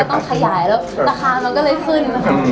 ต้องขยายแล้วราคามันก็เลยขึ้นนะคะ